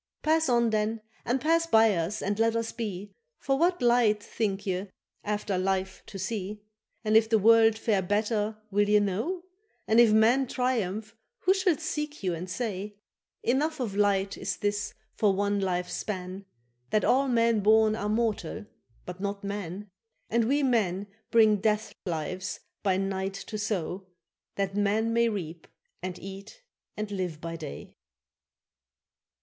—Pass on then and pass by us and let us be, For what light think ye after life to see? And if the world fare better will ye know? And if man triumph who shall seek you and say? —Enough of light is this for one life's span, That all men born are mortal, but not man: And we men bring death lives by night to sow, That man may reap and eat and live by day.